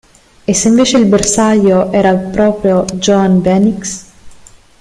E se invece il bersaglio era proprio Joan Bendix?